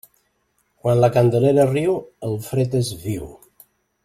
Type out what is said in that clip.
Quan la Candelera riu, el fred és viu.